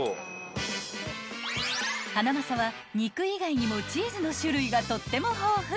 ［ハナマサは肉以外にもチーズの種類がとっても豊富］